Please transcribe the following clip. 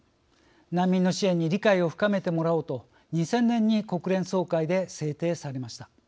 難民の支援に理解を深めてもらおうと２０００年に国連総会で制定されました。